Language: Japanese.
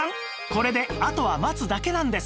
これであとは待つだけなんです